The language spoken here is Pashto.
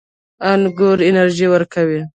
انګور انرژي ورکوي